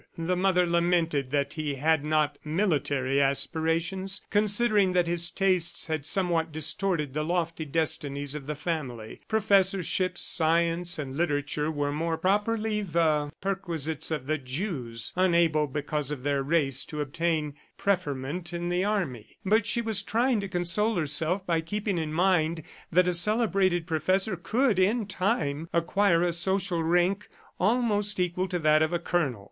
The mother lamented that he had not military aspirations, considering that his tastes had somewhat distorted the lofty destinies of the family. Professorships, sciences and literature were more properly the perquisites of the Jews, unable, because of their race, to obtain preferment in the army; but she was trying to console herself by keeping in mind that a celebrated professor could, in time, acquire a social rank almost equal to that of a colonel.